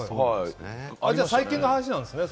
じゃあ最近の話なんですね。